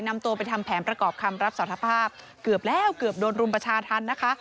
นำตัวไปทำแผนประกอบคำรับสารภาพเกือบแล้วเกือบโดนรุมประชาธรรมนะคะ